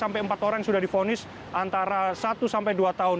sampai empat orang yang sudah difonis antara satu sampai dua tahun